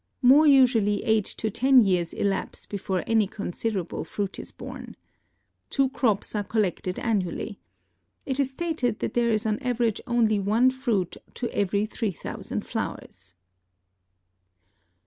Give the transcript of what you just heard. More usually eight to ten years elapse before any considerable fruit is borne. Two crops are collected annually. It is stated that there is on an average only one fruit to every 3,000 flowers.